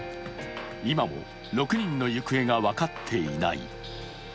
今も６人の行方が分かっていない。